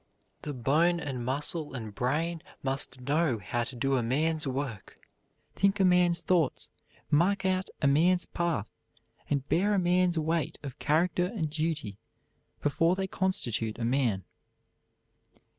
The bone and muscle and brain must know how to do a man's work, think a man's thoughts, mark out a man's path, and bear a man's weight of character and duty before they constitute a man.